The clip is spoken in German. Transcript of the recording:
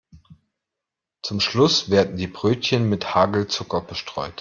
Zum Schluss werden die Brötchen mit Hagelzucker bestreut.